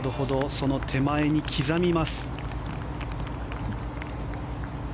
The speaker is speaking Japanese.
その手前に刻みます。